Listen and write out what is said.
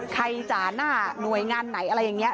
จ่าหน้าหน่วยงานไหนอะไรอย่างนี้